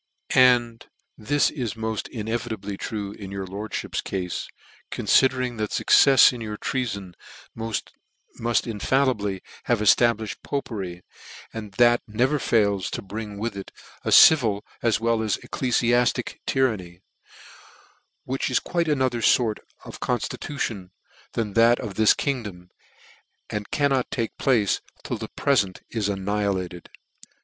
11 And this is moft evidently true in yourlord . {hip's cafe, conlidering that fuccefs in your trea fon muft infallibly have cttablifhed Popery, and that ACCOUNT of the REBELLION in 1715. 203 that never fails to bring with it a civil as well as ecclefiaitic tyranny : which is quite another fort of conftitution than that of this kingdom, and cannot take place till the prefent is annihilated.